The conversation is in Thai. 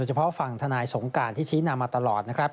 เฉพาะฝั่งทนายสงการที่ชี้นำมาตลอดนะครับ